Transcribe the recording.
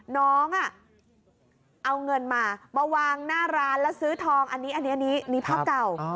น้องเอาเงินมามาวางหน้าร้านแล้วซื้อทองอันนี้มีภาพเก่า